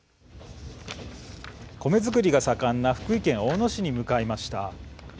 米作りが盛んな福井県大野市に向かいました。